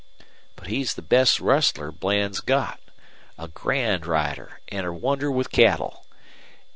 But he's the best rustler Bland's got a grand rider, an' a wonder with cattle.